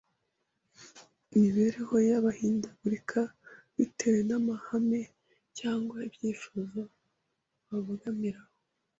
imibereho y’abahindagurika bitewe n’amahame cyangwa ibyifuzo babogamiraho